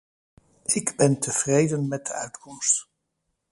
Ik ben tevreden met de uitkomst.